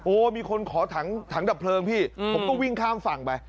โอ้มีคนขอถังดับเพลิงพี่ผมต้องวิ่งข้ามฝั่งไป